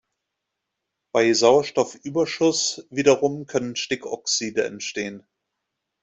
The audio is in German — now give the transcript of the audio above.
Bei Sauerstoffüberschuss wiederum können Stickoxide entstehen.